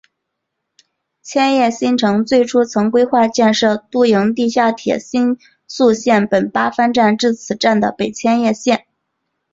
千叶新城最初曾规划建设都营地下铁新宿线本八幡站至此站的北千叶线。